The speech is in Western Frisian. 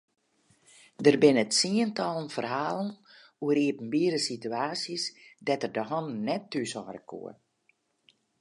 Der binne tsientallen ferhalen oer iepenbiere situaasjes dêr't er de hannen net thúshâlde koe.